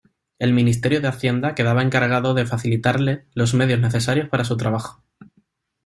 El Ministerio de Hacienda quedaba encargado de facilitarle los medios necesarios para su trabajo.